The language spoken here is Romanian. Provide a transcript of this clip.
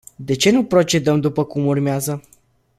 De ce nu procedăm după cum urmează?